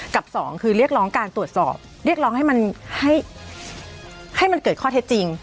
สองคือเรียกร้องการตรวจสอบเรียกร้องให้มันให้มันเกิดข้อเท็จจริง